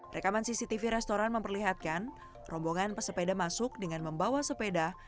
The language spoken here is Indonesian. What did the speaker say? rekaman cctv restoran memperlihatkan rombongan pesepeda masuk dengan membawa sepeda